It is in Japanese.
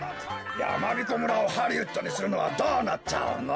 やまびこ村をハリウッドにするのはどうなっちゃうの？